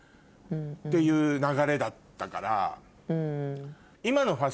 いう流れだったから。